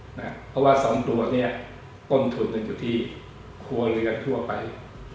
เพราะว่าสำรวจเนี่ยต้นทุนอยู่ที่ครัวเรือนทั่วไป